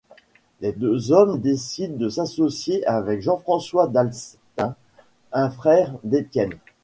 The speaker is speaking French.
Les deux hommes décident de s'associer avec Jean-François Dalstein, un frère d'Étienne.